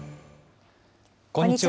こんにちは。